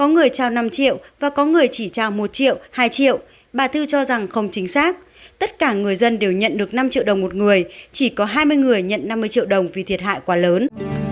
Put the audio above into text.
hai người nhận năm mươi triệu đồng vì thiệt hại quá lớn